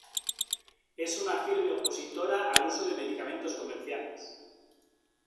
Es una firme opositora al uso de medicamentos comerciales.